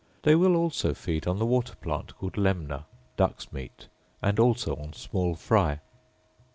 They will also feed on the water plant called lemna (duck's meat), and also on small fry.